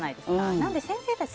なので先生たち